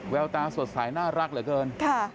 แววตาสดใสน่ารักเหลือเกิน